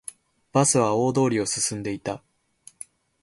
バスは大通りを進んでいた